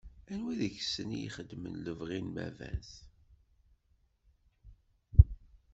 Anwa deg-sen i ixedmen lebɣi n baba-s?